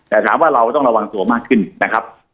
แต่ถามว่าเราต้องระวังตัวมากขึ้นนะครับ